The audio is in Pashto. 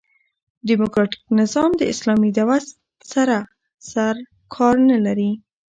ډيموکراټ نظام د اسلامي دعوت سره سر و کار نه لري.